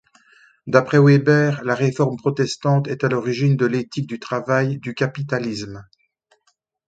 D’après Weber, la Réforme protestante est à l’origine de l’éthique du travail du capitalisme.